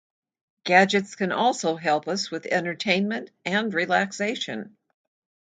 Gadgets can also help us with entertainment and relaxation.